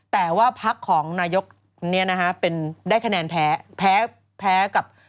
แต่ว่าพักของนายกได้คะแนนแพ้